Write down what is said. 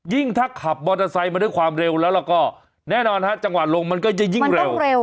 ถ้าขับมอเตอร์ไซค์มาด้วยความเร็วแล้วแล้วก็แน่นอนฮะจังหวะลงมันก็จะยิ่งเร็ว